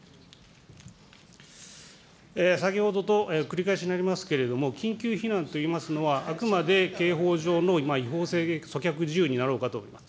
先ほどの繰り返しになりますけれども、緊急避難といいますのは、あくまで刑法上の違法性阻却事由になろうかと思います。